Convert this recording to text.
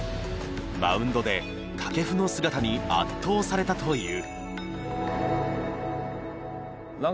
マウンドで掛布の姿に圧倒されたという。